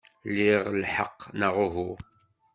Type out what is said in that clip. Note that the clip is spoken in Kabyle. Liɣ lḥeqq, neɣ uhu?